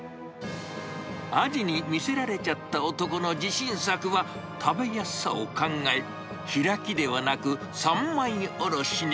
味に魅せられちゃった男の自信作は、食べやすさを考え、開きではなく、三枚おろしに。